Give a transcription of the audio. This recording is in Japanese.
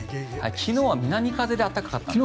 昨日は南風で暖かかったんです。